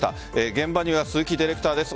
現場には鈴木ディレクターです。